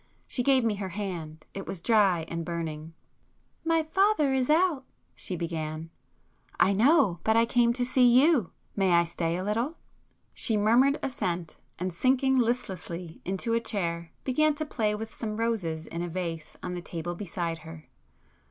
She gave me her hand; it was dry and burning. "My father is out—" she began. [p 197]"I know. But I came to see you. May I stay a little?" She murmured assent, and sinking listlessly into a chair, began to play with some roses in a vase on the table beside her.